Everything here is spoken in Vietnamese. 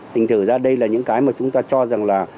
thành thử ra đây là những cái mà chúng ta cho rằng là